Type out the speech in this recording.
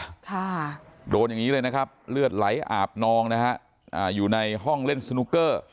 ค่ะโดนอย่างงี้เลยนะครับเลือดไหลอาบนองนะฮะอ่าอยู่ในห้องเล่นสนุกเกอร์